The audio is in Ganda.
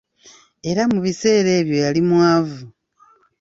Era mu biseera ebyo yali mwavu.